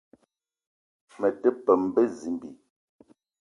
Me te peum bezimbi